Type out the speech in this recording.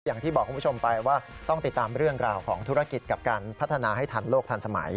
อย่างที่บอกคุณผู้ชมไปว่าต้องติดตามเรื่องราวของธุรกิจกับการพัฒนาให้ทันโลกทันสมัย